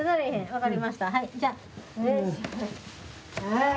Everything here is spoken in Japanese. はい。